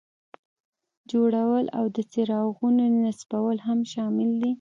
جوړول او د څراغونو نصبول هم شامل دي.